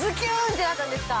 てなったんですか？